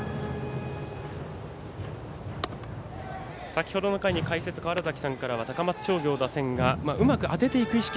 先程の回に解説川原崎さんからは、高松商業がうまく当てていく意識